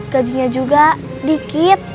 gajinya juga dikit